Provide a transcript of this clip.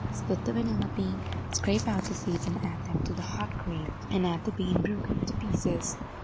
Split the vanilla bean, scrape out the seeds and add them to the hot cream, and add the bean broken into pieces.